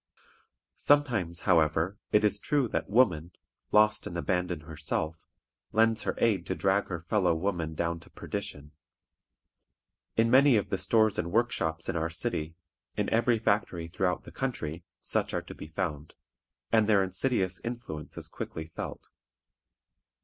Sometimes, however, it is true that woman, lost and abandoned herself, lends her aid to drag her fellow women down to perdition. In many of the stores and workshops in our city, in every factory throughout the country, such are to be found, and their insidious influence is quickly felt.